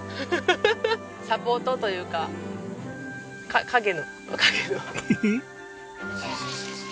サポートというか陰の。へへッ。